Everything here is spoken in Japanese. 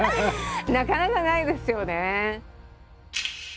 なかなかないですよね。